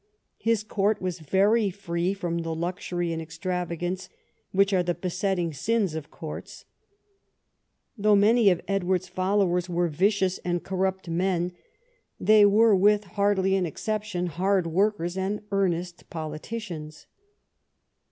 His court was very free from the luxury and extravagance which are the besetting sins of courts. Though many of Edward's followers were vicious and corrupt men, they were with 68 EDWARD I chap. hardly an exception hard workers and earnest poli ticians.